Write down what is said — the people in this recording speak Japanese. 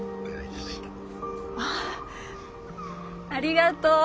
ありがとう。